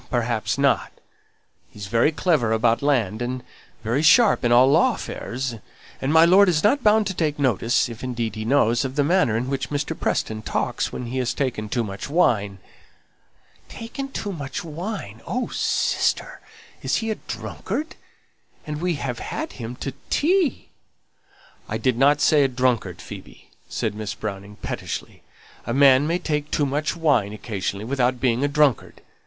perhaps not. He's very clever about land, and very sharp in all law affairs; and my lord isn't bound to take notice if indeed he knows of the manner in which Mr. Preston talks when he has taken too much wine." "Taken too much wine! Oh, sister, is he a drunkard? and we have had him to tea!" "I didn't say he was a drunkard, Phoebe," said Miss Browning, pettishly. "A man may take too much wine occasionally, without being a drunkard.